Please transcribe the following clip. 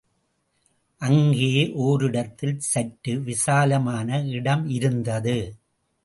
அங்கே ஓரிடத்தில் சற்று விசாலமான இடம் இருந்தது.